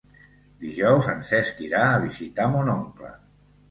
Dijous en Cesc irà a visitar mon oncle.